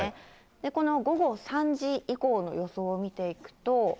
この午後３時以降の予想を見ていくと。